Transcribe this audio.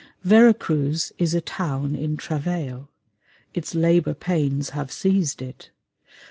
Vera Cruz is a town in travail. Its labour pains have seized it.